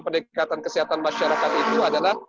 pendekatan kesehatan masyarakat itu adalah